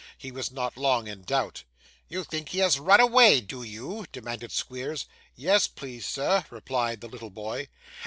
He was not long in doubt. 'You think he has run away, do you, sir?' demanded Squeers. 'Yes, please sir,' replied the little boy.